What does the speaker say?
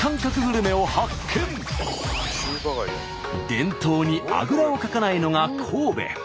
伝統にあぐらをかかないのが神戸。